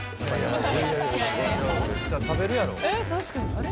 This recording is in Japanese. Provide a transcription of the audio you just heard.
あれ？